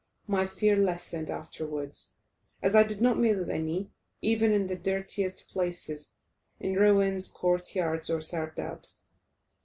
My fear lessened afterwards, as I did not meet with any, even in the dirtiest places; in ruins, court yards, or sardabs.